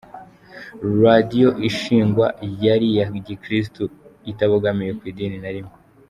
Radiyo ishingwa yari iya gikristo itabogamiye Ku idini na rimwe.